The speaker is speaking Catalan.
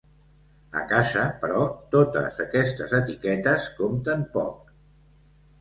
A casa, però, totes aquestes etiquetes compten poc.